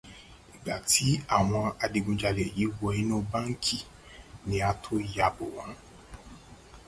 Ìgbà tí àwọn adigunjalé yìí wọ inú báǹkì ni a tó yabò wọ́n